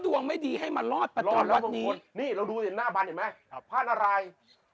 ทีนี้เสริมดวงให้ไว้